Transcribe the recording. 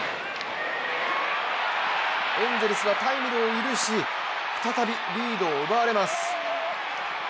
エンゼルスはタイムリーを許し再びリードを奪われます。